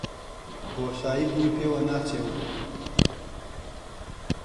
بۆشاییم مووی پێوە ناچێ و